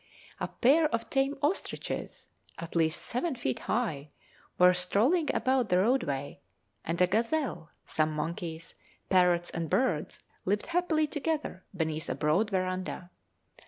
A pair of tame ostriches, at least seven feet high, were strolling about the roadway, and a gazelle, some monkeys, parrots, and birds lived happily together beneath a broad verandah.